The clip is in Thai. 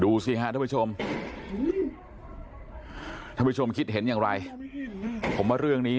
สิฮะท่านผู้ชมท่านผู้ชมคิดเห็นอย่างไรผมว่าเรื่องนี้